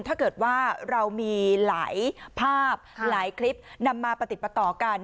ถ้าเกิดว่าเรามีหลายภาพหลายคลิปนำมาประติดประต่อกัน